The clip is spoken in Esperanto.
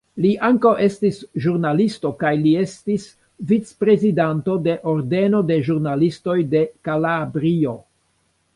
Li ankaŭ estis ĵurnalisto kaj li estis vic-prezidanto de Ordeno de ĵurnalistoj de Kalabrio.